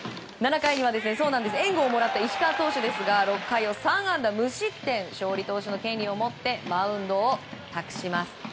７回には援護をもらった石川投手ですが勝利投手の権利を持ってマウンドを託します。